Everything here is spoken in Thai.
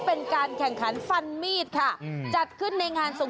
เขาแข่งกันอะไรแบบไหนไปดู